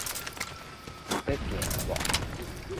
欲行無